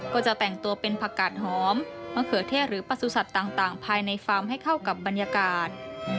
ก็จะแต่งตัวเป็นผักกาดหอมมะเขือเทศหรือประสุทธิ์ต่างภายในฟาร์มให้เข้ากับบรรยากาศ